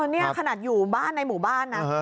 นี่ขนาดอยู่บ้านในหมู่บ้านนะ